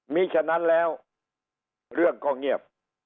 มีฉะนั้นแล้วเรื่องก็เงียบ